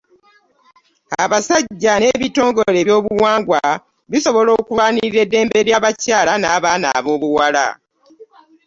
Abasajja n’ebitongole byobuwangwa bisobola okulwanirira eddembe ly’abakyala n’abaana ab’obuwala.